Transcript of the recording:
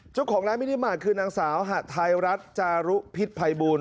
เจ้าของร้านไม่ได้หมายคือนางสาวหาทายรัฐจารุพิษภัยบูรณ์